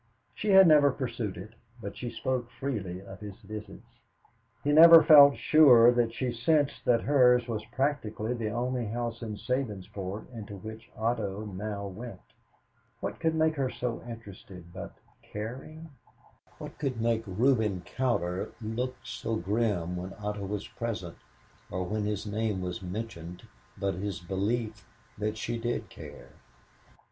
She had never pursued it, but she spoke freely of his visits. He never felt sure that she sensed that hers was practically the only house in Sabinsport into which Otto now went. What could make her so interested but caring? What could make Reuben Cowder look so grim when Otto was present or when his name was mentioned but his belief that she did care?